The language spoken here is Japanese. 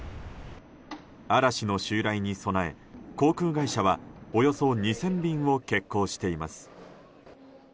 嵐の襲来に備え航空会社はおよそ２０００便を欠航しています。